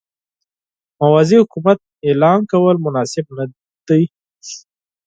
موازي حکومت اعلان کول مناسب نه دي.